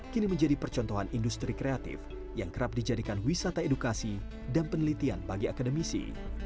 kini menjadi percontohan industri kreatif yang kerap dijadikan wisata edukasi dan penelitian bagi akademisi